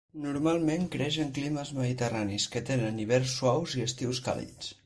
Normalment creix en climes mediterranis que tenen hiverns suaus i estius càlids.